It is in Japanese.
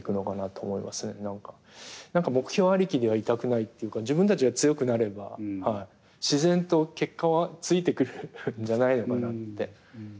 何か目標ありきではいたくないというか自分たちが強くなれば自然と結果はついてくるんじゃないのかなっていうふうに思ってます。